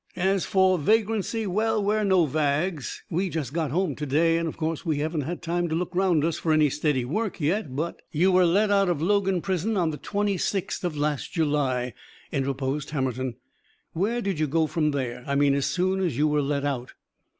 As for vagrancy well, we're no vags. We just got home to day and, of course, we haven't had time to look round us for any steady work yet. But " "You were let out of Logan Prison on the twenty sixth of last July," interposed Hammerton. "Where did you go from there? I mean as soon as you were let out."